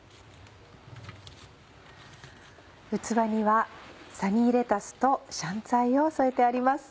器にはサニーレタスと香菜を添えてあります。